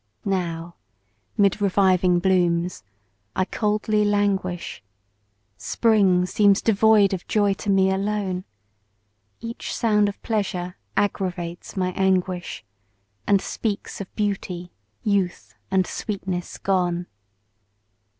Now, 'mid reviving blooms, I coldly languish, Spring seems devoid of joy to me alone; Each sound of pleasure aggravates my anguish, And speaks of beauty, youth, and sweetness gone.